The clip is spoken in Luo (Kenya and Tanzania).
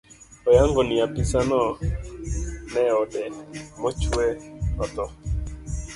Oyango ni apisano ne odee mochwe othoo.